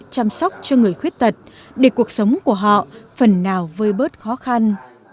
chăm sóc cho người khuyết tật để cuộc sống của họ phần nào vơi bớt khó khăn